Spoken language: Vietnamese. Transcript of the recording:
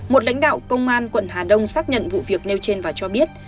một lãnh đạo công an quận hà đông xác nhận vụ việc nêu trên và cho biết